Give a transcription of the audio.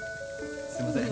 すいません。